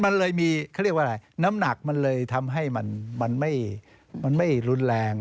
มันเลยมีเขาเรียกว่าอะไรน้ำหนักมันเลยทำให้มันไม่รุนแรง